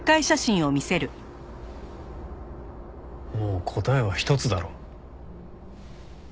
もう答えは一つだろ。